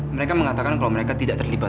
mereka mengatakan kalau mereka tidak terlibat